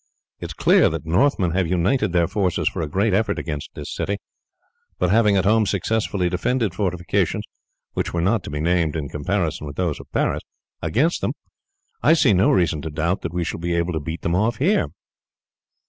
It is clear that the Northmen have united their forces for a great effort against this city; but having at home successfully defended fortifications, which were not to be named in comparison with those of Paris, against them, I see no reason to doubt that we shall be able to beat them off here."